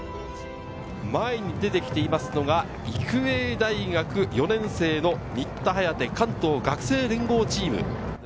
前に出てきていますのが育英大学４年生の新田颯関東学生連合チーム。